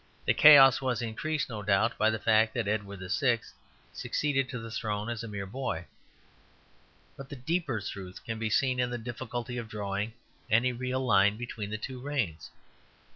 The chaos was increased, no doubt, by the fact that Edward VI. succeeded to the throne as a mere boy, but the deeper truth can be seen in the difficulty of drawing any real line between the two reigns.